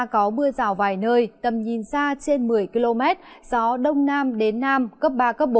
có mưa rào vài nơi tầm nhìn xa trên một mươi km gió đông nam đến nam cấp ba bốn